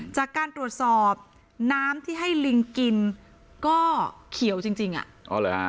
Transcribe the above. จากการตรวจสอบน้ำที่ให้ลิงกินก็เขียวจริงอะ